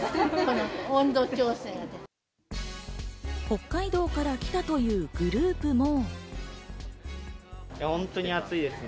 北海道から来たというグループも。